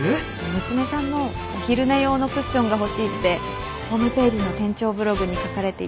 娘さんのお昼寝用のクッションが欲しいってホームページの店長ブログに書かれていたのを拝見しまして。